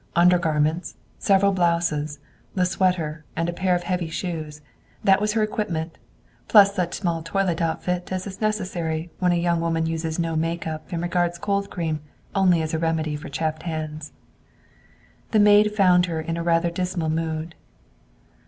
Undergarments, several blouses, the sweater and a pair of heavy shoes that was her equipment, plus such small toilet outfit as is necessary when a young woman uses no make up and regards cold cream only as a remedy for chapped hands. The maid found her in rather a dismal mood.